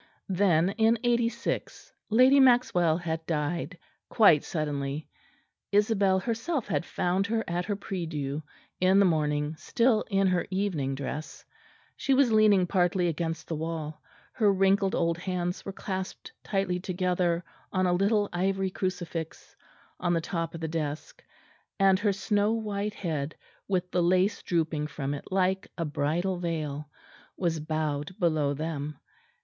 Then, in '86 Lady Maxwell had died, quite suddenly. Isabel herself had found her at her prie dieu in the morning, still in her evening dress; she was leaning partly against the wall; her wrinkled old hands were clasped tightly together on a little ivory crucifix, on the top of the desk; and her snow white head, with the lace drooping from it like a bridal veil, was bowed below them.